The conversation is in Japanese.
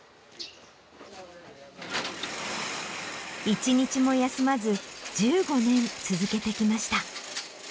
一日も休まず１５年続けてきました。